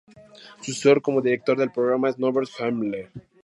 Su sucesor como director del programa es Norbert Himmler.